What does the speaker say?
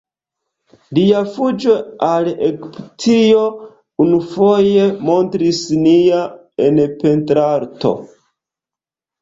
Lia "Fuĝo al Egiptio" unuafoje montris nia en pentrarto.